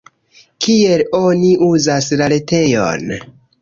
Kiel oni uzas la retejon?